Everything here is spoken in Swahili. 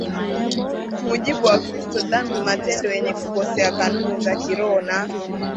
mujibu wa Kristo dhambi matendo yenye kukosea kanuni za kiroho na